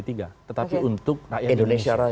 tetapi untuk rakyat indonesia